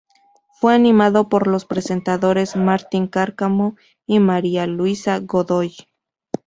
Fue animado por los presentadores Martín Cárcamo y María Luisa Godoy.